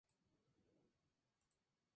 No tiene predilección por edad o sexo.